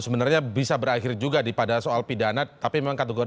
sebenarnya bisa berakhir juga pada soal pidana